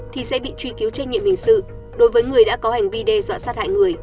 thì sẽ bị truy cứu trách nhiệm hình sự đối với người đã có hành vi đe dọa sát hại người